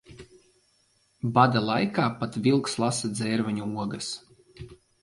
Bada laikā pat vilks lasa dzērveņu ogas.